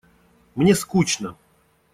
Мне скучно.